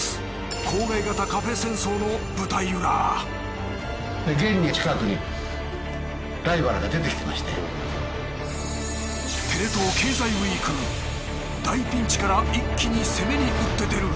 郊外型カフェ戦争の舞台裏大ピンチから一気に攻めに打って出る。